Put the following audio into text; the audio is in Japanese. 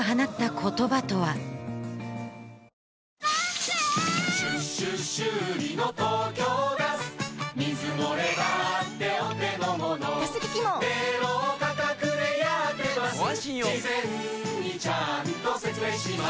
事前にちゃんと説明します